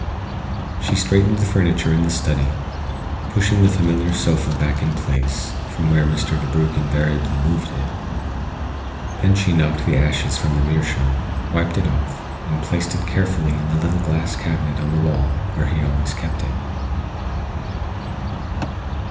She straightened the furniture in the study, pushing the familiar sofa back in place, from where Mr. DeBrugh invariably moved it. Then she knocked the ashes from the meerschaum, wiped it off, and placed it carefully in the little glass cabinet on the wall where he always kept it.